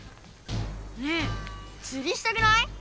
ねえつりしたくない？